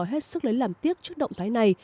hết sức lấy làm tiếc trước động thái này